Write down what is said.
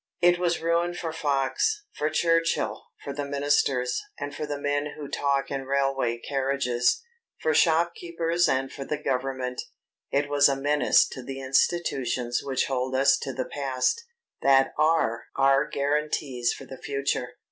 It was ruin for Fox, for Churchill, for the ministers, and for the men who talk in railway carriages, for shopkeepers and for the government; it was a menace to the institutions which hold us to the past, that are our guarantees for the future.